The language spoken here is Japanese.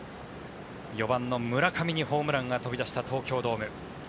４番の村上にホームランが飛び出した東京ドーム。